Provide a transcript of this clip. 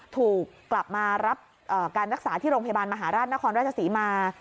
ถูกกลับมารับการรักษาที่โรงพยาบาลมหาราชนครราชศรีมา